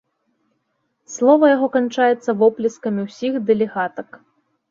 Слова яго канчаецца воплескамі ўсіх дэлегатак.